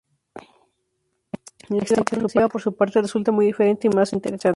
La extinción masiva, por su parte, resulta muy diferente y más interesante.